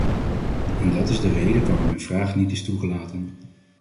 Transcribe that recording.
En dat is de reden waarom mijn vraag niet is toegelaten.